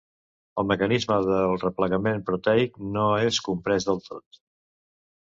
El mecanisme del replegament proteic no és comprès del tot.